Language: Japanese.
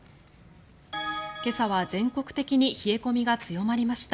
今朝は全国的に冷え込みが強まりました。